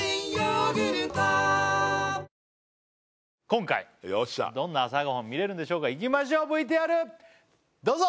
今回どんな朝ごはんを見れるんでしょうかいきましょうＶＴＲどうぞ！